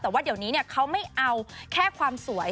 แต่ว่าเดี๋ยวนี้เขาไม่เอาแค่ความสวย